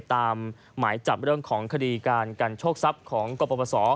ตามหมายจับเรื่องของคดีการกันโชคทรัพย์ของกรปศ